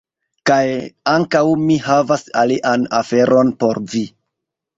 Kaj... ankaŭ mi havas alian aferon por vi